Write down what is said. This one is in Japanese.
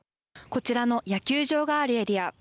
こちらの野球場があるエリア